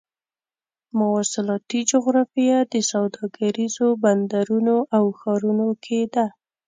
مواصلاتي جغرافیه د سوداګریزو بندرونو او ښارونو کې ده.